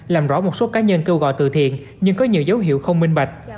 làm rõ một số cá nhân kêu gọi từ thiện nhưng có nhiều dấu hiệu không minh bạch